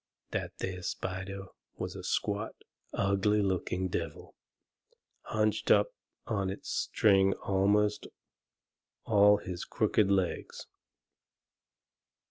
That there spider was a squat, ugly looking devil, hunched up on his string amongst all his crooked legs.